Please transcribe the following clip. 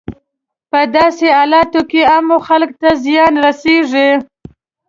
په داسې حالاتو کې عامو خلکو ته زیان رسیږي.